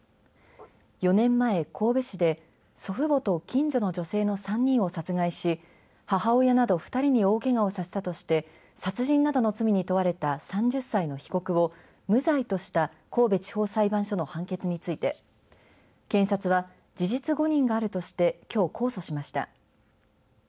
４年前、神戸市で祖父母と近所の女性の３人を殺害し母親など２人に大けがをさせたとして殺人などの罪に問われた３０歳の被告を無罪とした神戸地方裁判所の判決について検察は事実誤認があるとしてきょう、控訴しました。